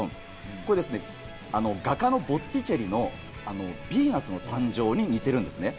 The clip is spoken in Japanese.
画家のボッティチェリの『ヴィーナスの誕生』に似ているんですね。